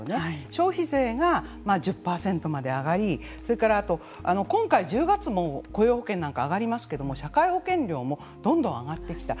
消費税が１０％まで上がりそれからあと今回１０月も雇用保険なんかが上がりますけど社会保険料もどんどん上がってきた。